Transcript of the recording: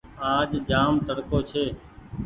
آج جآم تڙڪو ڇي